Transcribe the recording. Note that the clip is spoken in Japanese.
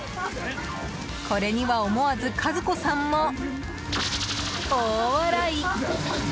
これには思わず和子さんも大笑い！